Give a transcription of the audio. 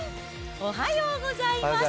おはようございます。